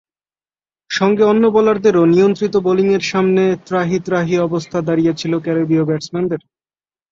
সঙ্গে অন্য বোলারদেরও নিয়ন্ত্রিত বোলিংয়ের সামনে ত্রাহি ত্রাহি অবস্থা দাঁড়িয়েছিল ক্যারিবীয় ব্যাটসম্যানদের।